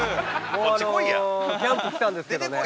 キャンプ来たんですけどね。